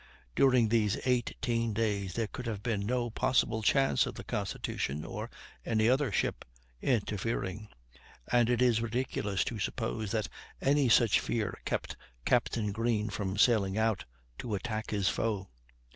During these eighteen days there could have been no possible chance of the Constitution or any other ship interfering, and it is ridiculous to suppose that any such fear kept Captain Greene from sailing out to attack his foe.